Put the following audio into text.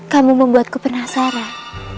kamu membuatku penasaran